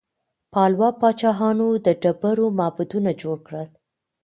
پالوا پاچاهانو د ډبرو معبدونه جوړ کړل.